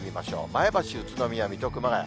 前橋、宇都宮、水戸、熊谷。